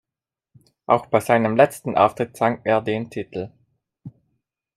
Auch bei seinem letzten Auftritt sang er den Titel.